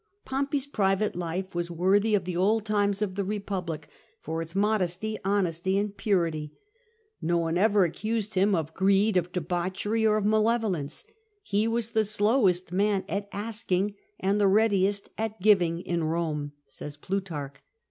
Pompey's private life was worthy of the old times of the Eepublic for its modesty, honesty, and purity. Ko one ever accused him of greed, of debauchery, or of malevolence ;" he was the slowest man at asking and the readiest at giving in Rome," says Plutarch.